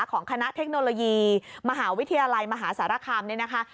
ของคณะเทคโนโลยีมหาวิทยาลัยมหาสารคามเนี่ยนะคะ